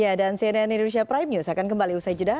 ya dan cnn indonesia prime news akan kembali usai jeda